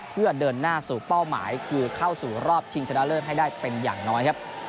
เพื่อเดินหน้าสู่เป้าหมายคือเข้าสู่รอบชิงชนะเลิศให้ได้เป็นอย่างน้อยครับ